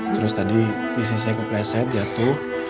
terus tadi tisi saya kepleset jatuh